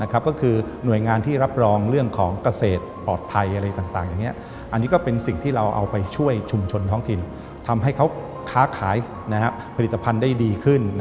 ก็คือหน่วยงานที่รับรองเรื่องของเกษตรปลอดภัยอะไรต่างอย่างนี้